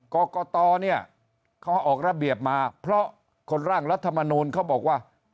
กรกตเนี่ยเขาออกระเบียบมาเพราะคนร่างรัฐมนูลเขาบอกว่า